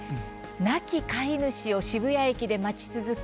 亡き飼い主を渋谷駅で待ち続け